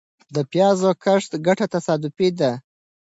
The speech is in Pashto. د پيازو د کښت ګټه تصادفي ده .